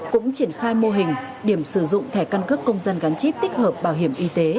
cũng triển khai mô hình điểm sử dụng thẻ căn cước công dân gắn chip tích hợp bảo hiểm y tế